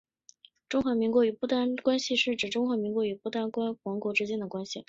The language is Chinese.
中华民国与不丹关系是指中华民国与不丹王国之间的关系。